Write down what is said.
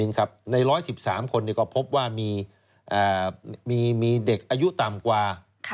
ใน๑๑๓คนก็พบว่ามีเด็กอายุต่ำกว่า